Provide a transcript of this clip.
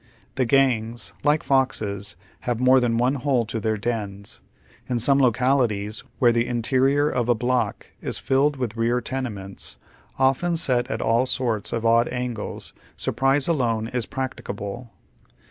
The gangs, like foxes, have more than one hole to their dens. In some localities, where the interior of a block is filled with rear tenements, often set at all sorts of odd angles, surprise alone is practicable.